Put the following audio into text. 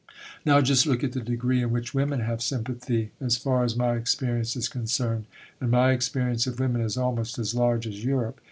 Now just look at the degree in which women have sympathy as far as my experience is concerned. And my experience of women is almost as large as Europe.